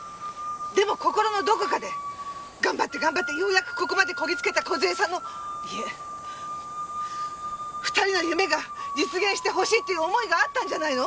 でも心のどこかで頑張って頑張ってようやくここまでこぎつけた梢さんのいえ２人の夢が実現してほしいっていう思いがあったんじゃないの？